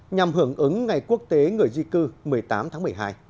nhằm hưởng ứng ngày quốc tế người di cư một mươi tám tháng một mươi hai